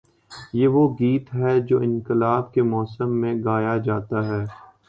یہ وہ گیت ہے جو انقلاب کے موسم میں گایا جاتا ہے۔